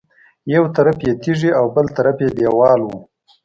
یو طرف یې تیږې او بل طرف یې دېوال و.